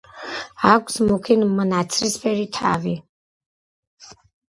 აქვს მუქი ნაცრისფერი თავი.